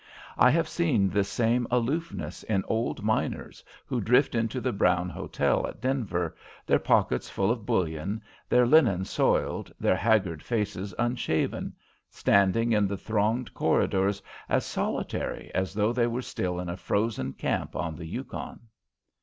I have seen this same aloofness in old miners who drift into the Brown hotel at Denver, their pockets full of bullion, their linen soiled, their haggard faces unshaven; standing in the thronged corridors as solitary as though they were still in a frozen camp on the Yukon.